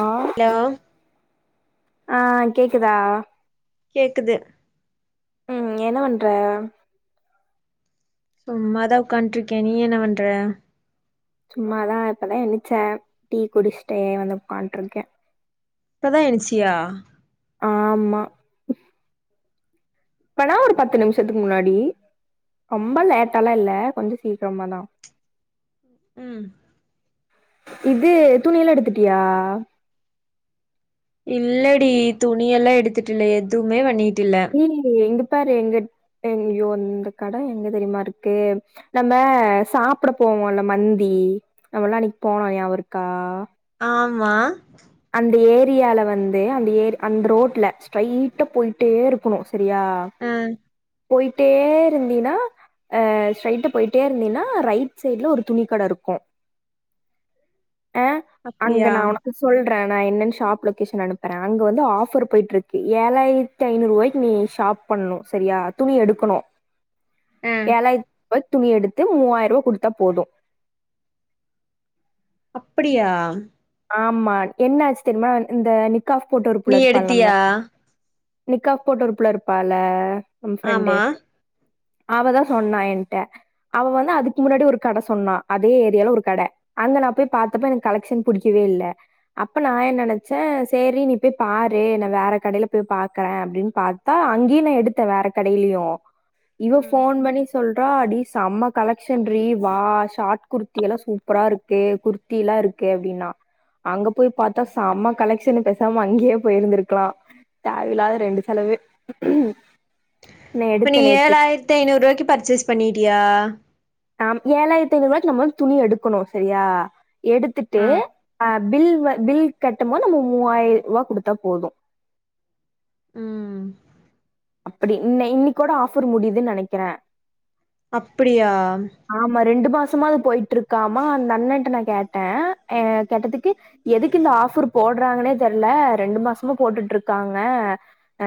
ஆ hello ஆ கேக்குதா கேக்குது ம் என்ன பண்ற சும்மாதா உட்கான்ட்டுருக்கேன் நீ என்ன பண்ற சும்மாதா இப்பதான் எந்திரிச்ச டீ குடிச்சிட்டே வந்து உக்கான்ட்டு இருக்கேன் இப்பதா எனச்சியா ஆமா எப்பனா ஒரு பத்து நிமிஷத்துக்கு முன்னாடி ரொம்ப லேட்டாலா இல்ல கொஞ்சம் சீக்கிரமாதா ம் இது துணியில எடுத்துட்டியா இல்லடி துணியெல்லாம் எடுத்துட்டு இல்ல எதுவுமே வண்ணி ம்பு எங்க பாரு எங்க எங்கியோ இந்த கட எங்க தெரியுமா இருக்கு நம்ம சாப்பட போவோல்ல மந்தி நம்மல்லா அன்னிக்கு போனோம் ஞாபகருக்கா ஆமா அந்த ஏரியால வந்து அந்த ஏ அந்த ரோட்ல ஸ்ட்ரைட்டா போயிட்டே இருக்கணு சரியா ஆ போய் பேரு இந்தீன்னா ஆ ஸ்ட்ரைட்ட போயிட்டே இருந்தீன்னா ரைட் சைட்ல ஒரு துணி கட இருக்கும் ஆ அங்க அப்டியா நா ஒனக்கு ன்ற நா என்னன் ஷாப் லொக்கேஷன் அனுப்பறன் அங்க வந்து ஆஃபர் போய்ட்டு இருக்கு ஏழாயிரத்தி ஐநூரூவாய்க்கு நீ ஷாப் பண்ணும் சரியா துணி எடுக்கணு ஆ ஏலாத் வத் துணி எடுத்து மூவாயிரூபா குடுத்தா போதும் அப்டியா ஆமா என்ன ஆச்சி தெரியுமா இந்த காஃப் போட்டு ஒரு நீ பிளேட் பண்லாமே எடுத்தியா நிக்கா போட்டு ஒருப்புள்ள இருப்பால நம் ஃப்ரெண்டு ஆமா அவதா சொன்னா எகிட்ட அவ வந்து அதுக்கு முன்னாடி ஒரு கட சொன்னா அதே ஏரியால ஒரு கட அங்க நா போய் பாத்தப்ப எனக்கு கலஷன் புடிக்கவே இல்ல அப்ப நா என்ன நெனைச்சே சேரி நீ போய் பாரு நா வேற கடையில போய் பாக்குறே அப்டின்னு பாத்தா அங்கேயு நா எடுத்தே வேற கடையிலயு இவ ம் போன் பண்ணிஸ் சொல்றா அடி செம்ம கலெக்ஷன் டி வா ஷாட் குர்த்தி எல்லா சூப்பரா இருக்கு குர்த்தி எல்லா இருக்கு எப்டின்னா அங்க போய் பாத்தா செம்ம கலெக்சன் பேசாம அங்கயே போயிருந்திருக்கலா தேவயில்லாத ரெண்டு செலவு நா இப்ப நீ எடுத்தே நேத்து ஏழாயிரத்தி ஐந்நூறு ரூபாய்க்கு பர்ச்செஸ் பண்ணிட்டியா நம் ஏழாயிரத்தி ஐநூறுபாக்கி நம்ம வந்து துணி எடுக்கணு செரியா எடுத்துட்டு ஆ அ பில் பில் கட்டும் மோது நம்ம மூவாயிர ரூபா குடுத்தா போது ம் அப்டி இன் இன் கூட ஆஃபர் முடியுதுன்னு நெனைக்கிற அப்டியா சும்மாத அது போயிட்டிருக்காமா அந்த அண்ணண்ட்ட நா கேட்டே அ கேட்டதுக்கு எதுக்கு இந்த ஆஃபர் போடுறாங்கன்னே தெரில ரெண்டு மாசமா போட்டுட்டு இருக்காங்க அ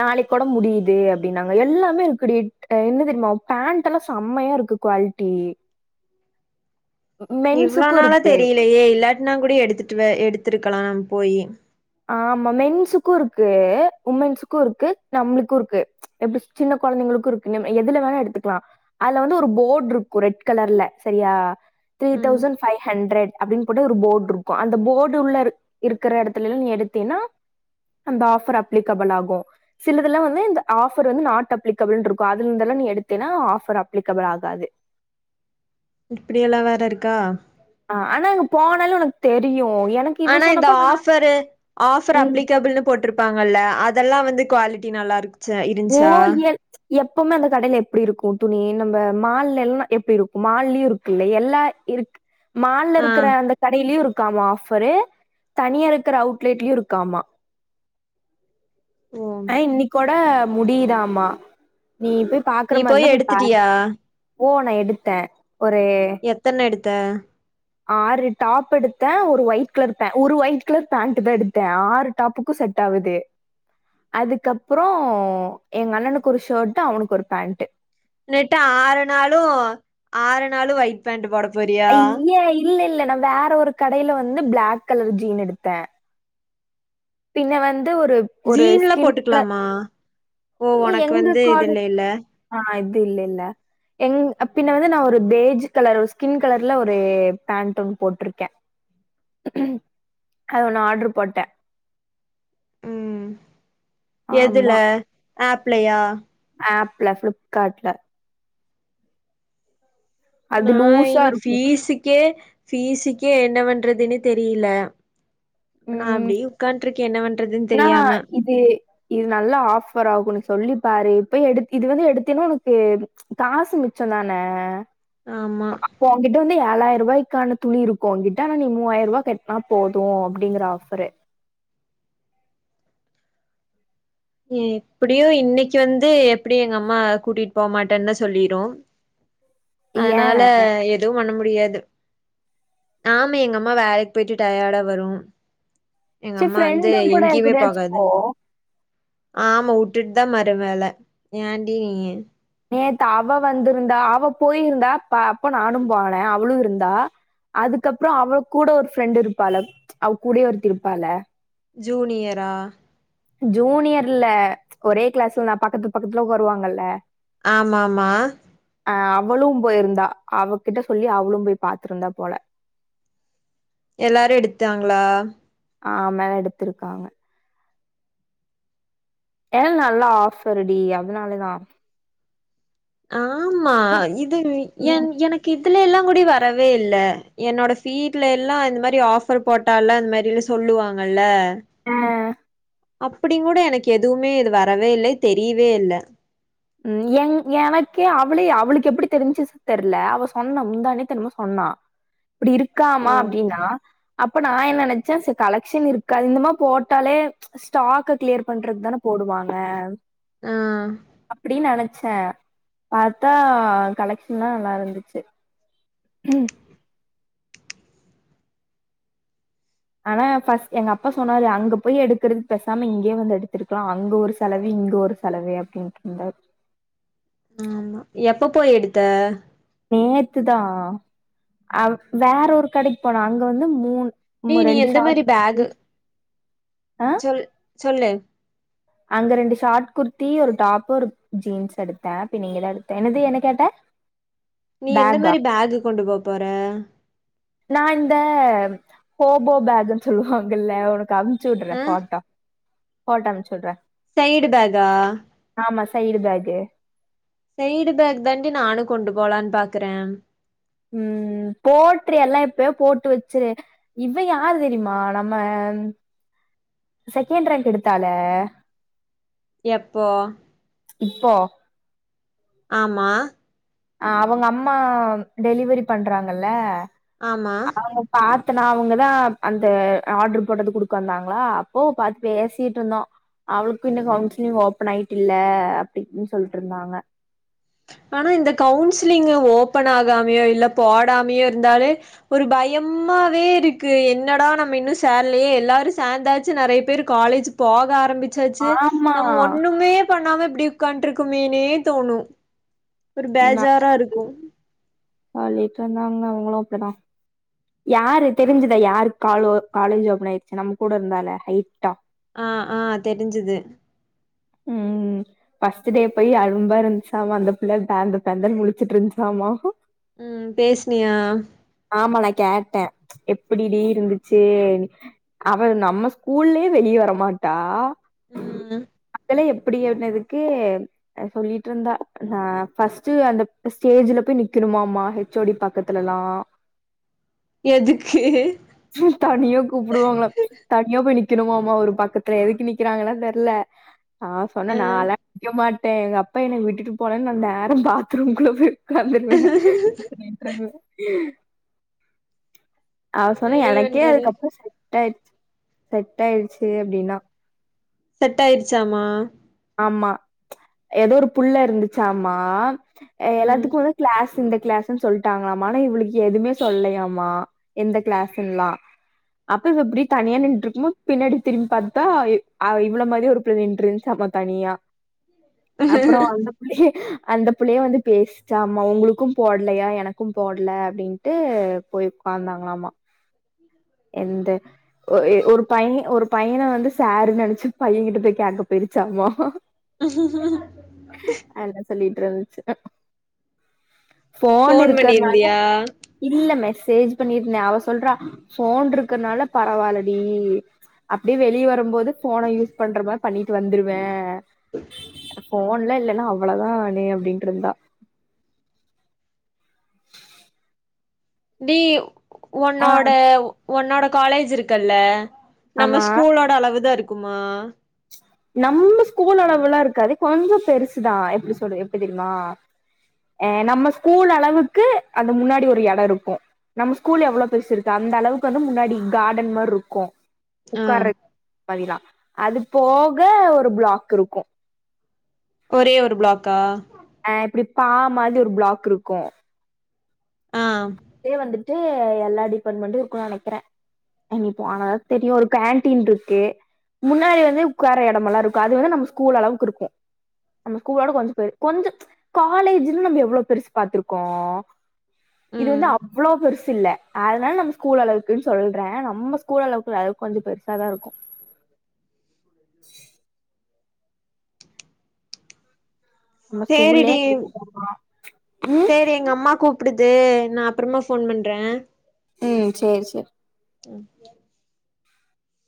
நாளைக்கு கூட முடியுது அப்டின்னாங்க எல்லாமே இருக்குடி என்ன தெரியுமா பேண்ட்லா செம்மையா இருக்கு குவால்ட்டி இவ்ளோ நாளா தெரியலையே இல்லாட்டனா கூட எடுத்துட்டு எடுத்திருக்கலா போய் ஆமா மென்சுக்கு இருக்கு உமென்சுக்கு இருக்கு நம்ளுக்கு இருக்கு எப்டி சின்ன கொழந்தைங்களுக்கு இருக்கு எதுல வேணா எடுத்துக்கலா அதுல வந்து ஒரு போட் இருக்கு ரெட் கலர்ல செரியா த்ரீ ம் தௌசண்ட் ஃபைவ் ஹண்டரட் அப்டின்னு போட்டு ஒரு போட் இருக்கு அந்த போர்டு உள்ள இருக்கிற எடத் இதுலல எடுத்தின அந்த ஆஃபர் அப்லிகபல் ஆகு சிலதுலா வந்து இந்த ஆஃபர் வந்து நாட் அப்ளீகபில் இருக்கு அதுல இருந்துல எடுத்தின ஆபர் அப்ளிகபில் ஆகாது இப்படிய எல்லா வேற இருக்கா ஆ ஆனா அங்க போனாலு உனக்கு தெரியு ஆனா இந்த ஆஃபரு ஆஃபர் அப்ளிகபிள்னு போட்டிருப்பாங்கல்ல அது இதெல்லா வந்து குவாலிட்டி நல்லா இருக் ச இருஞ்ச்சா எப்போமே அந்த கடையில எப்டி இருக்கு துணி நம்ம மால் எல்லா எப்டி இருக்கு மால்லயு இருக்குல்ல எல்லா இருக் மால்ல ஆ இருக்கிற அந்த கடையிலயு இருக் இருக்காமா ஆஃபரு தனியா இருக்கிற அவுட்லெட்லயு இருக்காமா ஓ அ இன்னிக்கோட முடியிராமா நீ போய் பாக்குற நீ மாறி இருந்தா போய் பாரு எடுத்துட்டியா ஓ நா எடுத்த எத்தன எடுத்த ஆறு டாப் எடுத்த ஒரு ஒயிட் கலர் ஒரு பே ஒயிட் கலர் பேண்ட்தா எடுத்த ஆறு டாப்புக்கு செட் ஆவுது அதுக்கப்புறோ எங்க அண்ணனுக்கு ஒரு ஷாட் அவனுக்கு ஒரு பேண்ட் நெட்டா ஆறு நாளு ஆறு நாளு ஒயிட் பேண்ட் போட போறியா ஐய்ய இல்ல இல்ல இல்ல நா வேற ஒரு கடையில வந்து பிளாக் கலர் ஜீன் எடுத்தே பின்ன வந் ஜீன்லா போட்டுக்கலாமா ஓ உனக்கு வந்து இதுல்லைல்ல தி இல்லல்ல எங் பின்ன வந்து ந ஒரு போஜ் கலர்ல ஸ்கின் கலர்ல ஒரு பேண்ட் ஒன்னு போட்டிருக்கே அது ஒன்னு ஆடர் போட்டே எதல ஆமா. ஏப்லையா ஏப்ல ஃப்ளிப்காட்ல அது நா லூஸா இனி இருக்கும். பீஸ்க்கே பீஸ்க்குகே என்ன பண்றதுன்னு தெரியல ப்ப நா அப்பிடி உட்காண்ட்டு இருக்கே என்ன பண் நா இது இது நல்லா ஆஃபர் ஆகுன்னு சொல்லி பாரு இப்ப எடு இது வந்து எடுத்தேன்னா உனக்கு காசு மிச்சதான ஆமா போகிட்ட வந்து ஏழாயிர ரூபாய்க்கான துணி இருக்கு உங்கிட்ட ஆனா நீ மூவாயிரூவா கட்டனா போது அப்பிடிங்கற ஆஃப்பரு இப்பிடியு இன்னிக்கு வந்து எப்பிடி எங்க அம்மா கூட்டிட்டு போமாட்டேன்னு சொல்லிரு ஏன் அனால எதுவு பண்ண முடி பியாது ஆமா எங்க அம்மா வேலைக்கு போயிட்டு டையாடா வரு எங்க சே அம்மா வந்து ப்ரெண்டு கூட எங்கேயுமே யார்குடாயாச்சு போகாது போ ஆமா உட்டுட்டுதா மரு வேல ஏண்டி நீய் நேத்து அவ வந்திருந்தா அவ போயிருந்தா அப் அப்ப நானுபோனே அவுளு இருந்தா அதுக்கப்புறோ அவ கூட ஒரு ப்ரெண்ட் இருப்பால அவ கூடியே ஒருத்தி இருப்பால ஜூனியரா ஜூனியர்ல ஒரே கிளாஸ்ல நா பக்கத்து பக்கத்துல உக்காருவாங்கல்ல ஆமா ஆமா ஆ அவளு போயிருந்தா அவகிட்ட சொல்லி அவளு போய் பாத்திருந்தா போல எல்லாரு எடுத்தாங்களா ஆ மேல எடுத்திருக்காங்க ஏ நல்லா ஆஃப்பர் டி அதனாலேதா ஆ ஆமா இது என் எனக்கு இ அத்துல எல்லா கூடி வரவே இல்ல என்னோட வ்வீட்ல எல்லா இந்த மாரி ஆப்பர் போட்டாலா இந்த மாரிலா சொல்லுவாங்கல்ல ஆ அப்டி கூட எனக்கு எதுவுமே இது வரவே இல்ல தெரியவே இல்ல உம் என் எனக்கே அவளே அவளுக்கு எப்டி தெரிஞ்சு தெர்யல அவ சொன்னா முன்தா நேத்து என்னமோ சொன்னா அப்டி இருக்காமா ஓ அப்டின்னா அப் நா என்ன நனச்சே செ கலெக்ஷன் இருக்கு இந்த மாதிர போட்டாலே ஸ்டாக்க கிளியர் பண்றது தானே போடுவாங்க ஆ அப்டின்னு நெனச்சே பாத்தா கலெக்ஷன்ல்லா நல்லா இருந்துச்சு ஆனா பஸ்ட் எங்க அப்பா சொன்னாரு அங்க போய் எடுக்கறது பேசாம இங்கேயே வந்து எடுத்திருக்கலா அங்க ஒரு செலவு இங்க ஒரு செலவு அப்டின்ட்டு இருந்தாரு ம் எப்ப போய் எடுத்த நேத்து தா வேற ஒரு கடக்கி போனே அங்க வந்து மூனு நீ நீ எந்த மாரி பேகு ஆ சொல் சொல்லு அங்க ரெண்டு ஷார்ட் குர்த்தி ஒரு டாப் ஒரு ஜீன்ஸ் எடுத்தே பின் இங்கதா எடுத்தே என்னது என்ன கேட்ட நீ எந்த பேக்கா? மாரி பேகு கொண்டு போ போற நா இந்த ஹோபோ பேகுன்னு சொல்லுவாங்கல்ல ஒனக்கு அனுப் அனுப்ச்சு விடுறே ஆ போட்டோ போட்டோ அனுப்ச்சீவுடுறே சைடு் பேகா ஆமா சைடு பேகு சைடு பேகு தாண்டி நானு கொண்டு போலான்னு பாக்குறே உம் ம்ம் போட்டு எல்லா எப்போ போட்டு வச்சுரு இவ யாரு தெரிமா நம்ம செகண்ட் ரேங்க் எடுத்தால எப்போ இப்போ ஆமா அ அவுங்க அம்மா டெலிவரி பண்றாங்கல்ல ஆமா அவுங்க பாத் த நா அவுங்கதா அந்த ஆர்டர் போட்டது குடுக்க வந்தாங்ளா அப்போ பாத்து பேசிட்டு இருந்தோ அவளுக்கு இன்னு கவுன்சிலிங் ஓபன் ஆயிட்டு இல்ல அப்டினு சொல்ட்டு இருந்தாங்க ஆனா இந்த கவுன்சிலிங் ஓபன் ஆகாமயோ இல்ல போடாமையோ இருந்தாலே ஒரு பயமாவே இருக்கு என்னடா நம்ம இன்னு சேரலயே எல்லாரு சேந்தாச்சு நெறய பேர் காலேஜ்ஜு போக ஆரம்பிச்ச ஆரம்பிச்சாச்சு ஆமா நம்ம ஒன்னுமே பண்ணாம இப்டி ஒக்காண்டு இருக்குமேனே தோணு ஒரு பேஜாரா இருக்கு ஆ லேட்ரா இருந்தாங்கன்னா அவுங்களு அப்டிதா யாரு தெரிஞ்சதா யாரு காலு காலேஜ் ஓப்பன் ஆயிடுச்சு நம்ம கூட இருந்தால ஹைட்டா ஆ ஆ தெரிஞ்சது ம் பஸ்ட் டே போய் அரும்பா இருந்துச்சாமா அந்த புள்ள பேந்த பேந்தனு முளிச்சுட்டு இருந்துச்சாமா ம் பேஸ்னியா ஆமா நா கேட்டே எப்டி டி இருந்துச்சு அவ நம்ம ஸ்கூல்லயே வெளிய வரமாட்டா ம் எப்டி ஆனதுக்கு சொல்லிட்டு இருந்தா ஆ ஃபஸ்ட் அந்த ஸ்டேஜ்ல போய் நிக்கணும்மாமா ஹெச்ஓடி பக்கத்துல எல்லா எதுக்கு தனியா கூப்டுவாங்கள தனியா போய் நி க்கணுமோமா ஒரு பக்கத்துல எதுக்கு நிக்கிறாங்கன்னா தெரில நா சொன்ன ஆ நாலா நிக்க மாட் பே எங்க அப்பா என்ன விட்டுட்டு போனே நா நேரா பாத்ரூம்குள்ள போய் ஒக்காந்துருவே [unintelligible] சொன்ன என்னடி எனக்கே பண்றது அதுக்கப்றோ ச செட்டாயிச்சி செட்டாயிருச்சி அப்படின்னா செட் ஆயிருச்சாமா ஆமா ஏதோ ஒரு புள்ள இருந்துச்சாமா எ ம் எல்லாத்துக்கு வந்து கிளாஸ் இன்டேக் கிளாஸ்னு சொல்லிட்டாங்களாமா ஆனா இவளுக்கு எதுவுமே சொல்லயாமா எந்த கிளாஸ்செல்லா அப்ப இப்படி தனியா நின்டுருக்கும் போது பின்னாடி திரும்பி பாத்தா இ அ இவள மாறியே ஒரு பிள்ள நின்னுட்ருந்ச்சாமா தனியா அப்புறோ அந்த புள்ளிய அந்த பிள்ளையே வந்து பேசுசாம்மா உங்களுக்கு போடலையா எனக்கு போட்ல அப்படின்ட்டு போய் உட்காந்தாங்களாமா எந்த ஒ ஒரு பையன ஒரு பையன வந்து சருனு நினைச்சு பையகிட்ட போய் கேட்க போயிச்சாமா [unintelligible] உகு உகு உகு [unintelligible] போன் ஃபோன் இருக்கறனால பண்ணிருந்தியா இல்ல மெஸ் சேஜ் பண்ணிருத அவஸ் சொல்றா போன் இருக்கறனால பரவாயிலடி அப்படி வெளிய வரும்போது போன யூஸ் பண்ற மாரி பண்ணிட்டு வந்துருவ போன்ல இல்லன்னா அவ்வளவுதா நே அப்படின்டு இருந்தா [unintelligible] டி யு ஆ உன்னோட உன்னோட காலேஜ் இருக்கல்ல நம்ம ஆமா ஸ்கூலோட அளவு தா இருக் கும்மா நம்ம ஸ்கூல் அளவுல்லா இருக்காது கொஞ்சோ பெருசுதா எப்டி சொல்ற எப்டி தெரிமா ஆ நம்ம ஸ்கூல் அளவுக்கு அந்த முன்னாடி ஒரு எடம் இருக்கும் நம்ம ஸ்கூல்லு எவ்ளோ பெருசு இருக்கு அந்த அளவுக்கு வந்து முன்னாடி கார்டன் மாரி இருக்கும் ஆ உக்காரத் பதிலா அதுக் போக ஒரு பிளாக் இருக்கும் ஒரே ஒரு பிளாக்கா ஆ இப்டி பா மாதி ஒரு பிளாக் இருக்கும் ஆ தே வந்துட் ட்டு எல்லா டிபாட்மெண்டும் இருக்குனு நெனைக்கற இனி போனா தா தெரியும் ஒரு கேன்டீன் இருக்கு முன்னாடி வந்து உக்கார எடமெல்லாம் இருக்கு அது வந்து நம்ம ஸ்கூல் அளவுக்கு இருக்கும் நம்ம ஸ்கூலோட கொஞ்சம் பெ கொஞ்ச ம்ச் காலேஜில நம்ம எவ்ளோ பெருசு பாத்துருக்கோ இது ம் வந்து அவ்ளோ பெருசு இல்ல அதனால நம்ம ஸ்கூல் அளவுக்குன்னு சொல்ற நம்ம ஸ்கூல் அளவுக்குல்ல அது கொஞ்ச பெரு சாதா இருக்கும் நம்ம ஸ்கூல்லே சேரிடி குடுத்துடோமா ம் இப்டுதே நா அப்புறமா ஃபோன் பண்ற ம் சேரி சேர் ம்